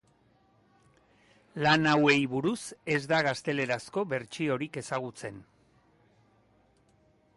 Lan hauei buruz ez da gaztelerazko bertsiorik ezagutzen.